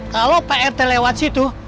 kalau pak rt lewat situ